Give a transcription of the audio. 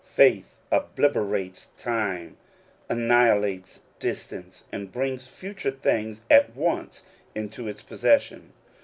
Faith obliterates time, annihilates distance, and brings future things at once into its posses sion.